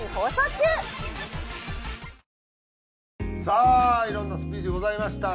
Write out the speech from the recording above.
さあいろんなスピーチございました。